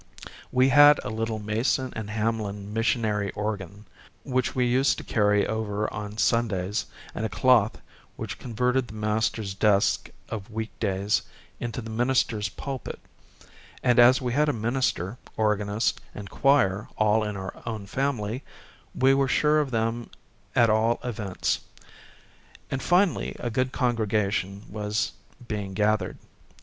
We had a little Mason and Hamlin mission ary organ, which we used to carry over on Sun days, and a cloth, which converted the master's desk of week days into the minister's pulpit ; and as we had minister, organist, and choir all in our own family, we were sure of them at all events ; and finally a good congregation was being gathered.